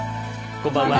こんばんは。